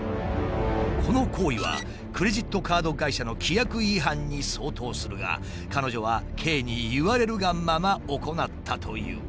この行為はクレジットカード会社の規約違反に相当するが彼女はＫに言われるがまま行ったという。